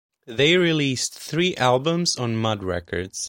They released three albums on Mud Records.